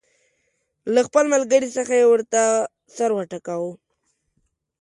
له خپل ملګري څخه یې ورته سر وټکاوه.